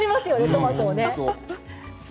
トマトを。